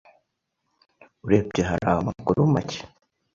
Urebye hari amakuru macye